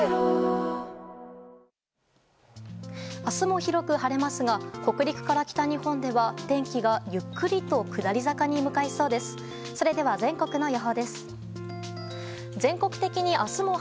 明日も広く晴れますが北陸から北日本では天気がゆっくりと下り坂に向かいそうです。